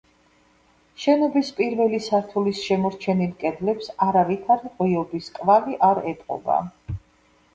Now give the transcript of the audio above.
შენობის პირველი სართულის შემორჩენილ კედლებს არავითარი ღიობის კვალი არ ეტყობა.